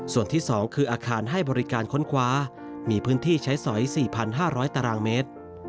ส่วนที่๒คืออาคารให้บริการค้นคว้ามีพื้นที่ใช้สอย๔๕๐๐ตารางเมตร